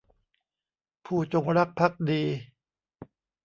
ผู้จงรักภักดี